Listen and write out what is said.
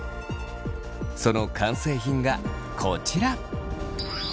その完成品がこちら。